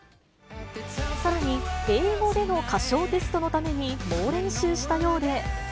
さらに、英語での歌唱テストのために猛練習したようで。